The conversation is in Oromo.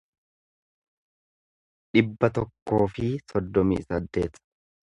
dhibba tokkoo fi soddomii saddeet